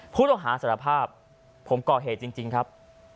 ผู้ต้องหาสารภาพผมก่อเหตุจริงครับ